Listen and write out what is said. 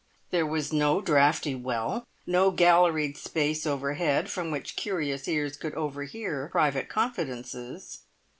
There was no draughty well, no galleried space overhead, from which curious ears could overhear private confidences.